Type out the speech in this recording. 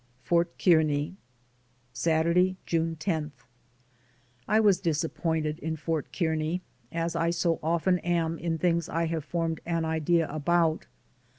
FORT KEARNEY. Saturday, June 10. I was disappointed in Fort Kearney, as I so often am in things I have formed an idea about.